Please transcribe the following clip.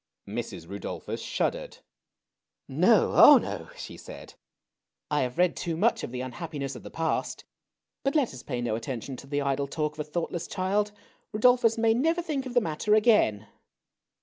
Mrs. Rudolphus shuddered. " No — oh, no !" she said. " I have read too much of the unhappiness of the past. But let us pay no THE PURSUIT OF HAPPINESS. 231 attention to the idle talk of a thoughtless child. Rudolphus may never think of the matter again."